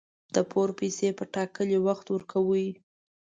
د پور پیسي په ټاکلي وخت ورکړئ